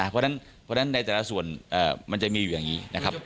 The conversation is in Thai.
เพราะฉะนั้นในแต่ละส่วนมันจะมีอย่างนี้